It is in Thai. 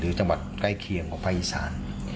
หรือจังหวัดใกล้เคียงกองภัยอีสาน